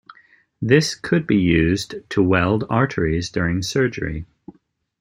This could be used to weld arteries during surgery.